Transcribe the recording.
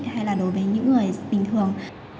hay là đối với những người bình thường